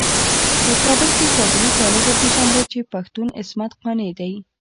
په کابل کې زابلي طالب وپيژانده چې پښتون عصمت قانع دی.